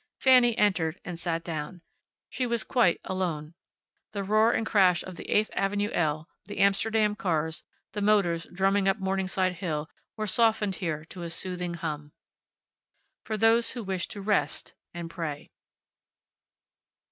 Fanny entered, and sat down. She was quite alone. The roar and crash of the Eighth avenue L, the Amsterdam cars, the motors drumming up Morningside hill, were softened here to a soothing hum. For those who wish to rest and pray.